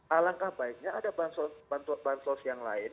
alangkah baiknya ada bantuan sosial yang lain